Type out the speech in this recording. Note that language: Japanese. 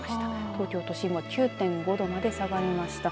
東京都心は９．５度まで下がりました。